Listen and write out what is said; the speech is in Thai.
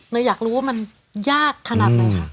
เราอยากรู้ว่ามันยากขนาดอะไร